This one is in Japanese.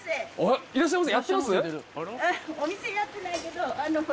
「いらっしゃいませ」？